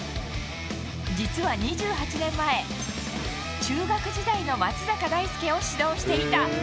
実は２８年前、中学時代の松坂大輔を指導していた。